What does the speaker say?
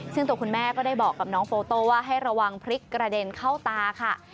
ซึ่งตัวคุณแม่ก็ได้บอกกับน้องโปโตโต้ว่าให้ระวังพริกกระเด็นเข้าตาค่ะ